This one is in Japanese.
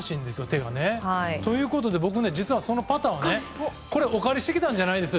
手がね。ということで僕実はそのパターをお借りしてきたんじゃないんです。